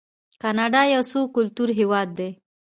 کاناډا یو څو کلتوری هیواد دی.